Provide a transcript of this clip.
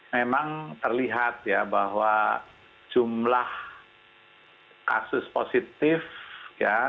memang terlihat ya bahwa jumlah kasus positif ya